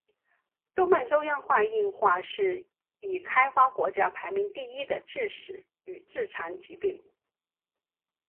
动脉粥样硬化是已开发国家排名第一的致死与致残疾病。